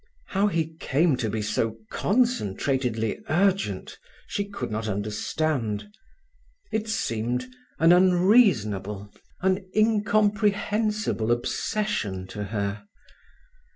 How he came to be so concentratedly urgent she could not understand. It seemed an unreasonable an incomprehensible obsession to her.